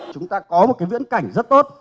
chúng ta có một cái viễn cảnh rất tốt